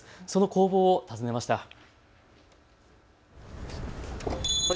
その工房を訪ねました。